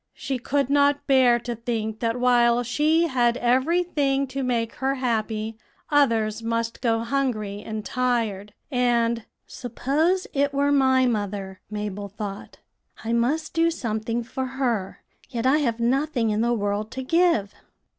She could not bear to think that while she had every thing to make her happy, others must go hungry and tired; and 'Suppose it were my mother,' Mabel thought; 'I must do something for her; yet I have nothing in the world to give.'